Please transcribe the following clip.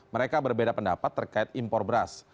mereka berbeda pendapat terkait impor beras